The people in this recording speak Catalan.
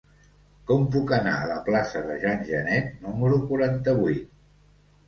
Com puc anar a la plaça de Jean Genet número quaranta-vuit?